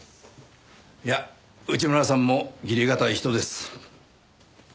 いや内村さんも義理堅い人です。